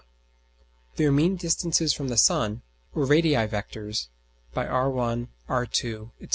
their mean distances from the sun (or radii vectores) by r_1, r_2, &c.